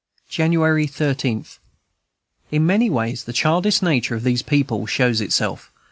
January 13. In many ways the childish nature of this people shows itself.